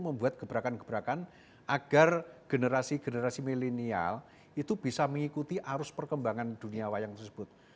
membuat gebrakan gebrakan agar generasi generasi milenial itu bisa mengikuti arus perkembangan dunia wayang tersebut